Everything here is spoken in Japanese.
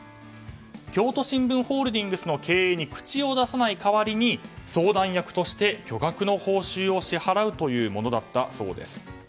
京都新聞ホールディングスの経営に口を出さない代わりに相談役として巨額の報酬を支払うものだったそうです。